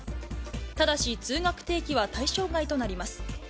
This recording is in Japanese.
ただし通学定期は対象外となります。